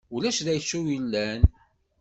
Ulac d acu yellan?